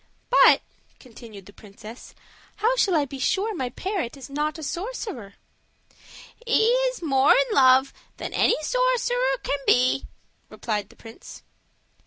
"But," continued the princess, "how shall I be sure my parrot is not a sorcerer?" "He is more in love than any sorcerer can be," replied the prince.